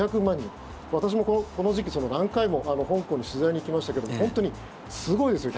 私もこの時期、何回も香港に取材に行きましたけども本当にすごいですよ。